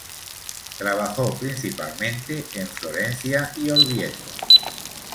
Trabajó principalmente en Florencia y Orvieto.